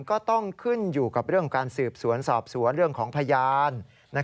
ก็ต้องขึ้นอยู่กับเรื่องของการสืบสวนสอบสวนเรื่องของพยาน